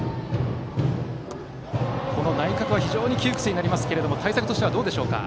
内角、非常に窮屈になりますが対策としてはどうでしょうか？